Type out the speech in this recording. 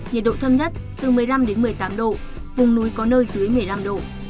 nhiệt độ thấp nhất từ một mươi năm một mươi tám độ vùng núi có nơi dưới một mươi năm độ